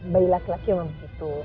bayi laki laki memang begitu